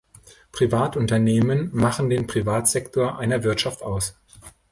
Privatunternehmen machen den Privatsektor einer Wirtschaft aus.